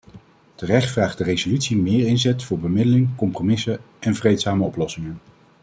Terecht vraagt de resolutie meer inzet voor bemiddeling, compromissen en vreedzame oplossingen.